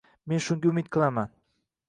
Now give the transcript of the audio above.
Men shunga umid qilaman.